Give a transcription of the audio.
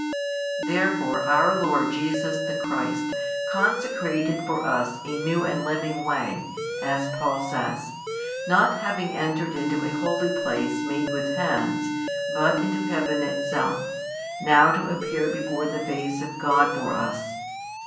Therefore our Lord Jesus the Christ consecrated for us a new and living way, as Paul says; not having entered into a holy place made with hands, but into heaven itself, now to appear before the face of God for us.